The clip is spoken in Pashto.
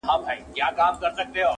• ورور مي اخلي ریسوتونه ښه پوهېږم..